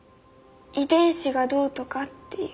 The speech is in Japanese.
遺伝子がどうとかっていう。